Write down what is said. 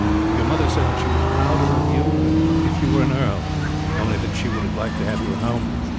Your mother said that she was prouder of you than if you were an earl, only that she would have liked to have you at home.